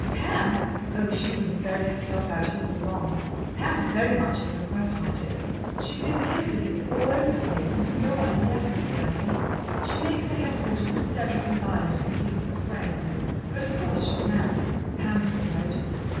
"Pam! Oh, she wouldn't bury herself out here, for long. Pam's very much in request, my dear. She's been paying visits all over the place, and can go on indefinitely, I believe. She makes her headquarters with Cedric and Violet in Clevedon Square, you know, but of course she'll marry. Pam's all right."